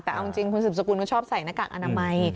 แต่เอาจริงคุณสืบสกุลก็ชอบใส่หน้ากากอนามัย